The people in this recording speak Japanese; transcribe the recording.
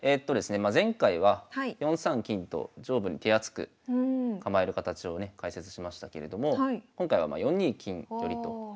前回は４三金と上部に手厚く構える形をね解説しましたけれども今回は４二金寄と。